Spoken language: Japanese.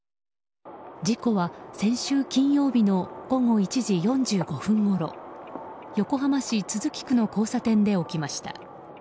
事故は先週金曜日の午後１時４５分ごろ横浜市都筑区の交差点で起きました。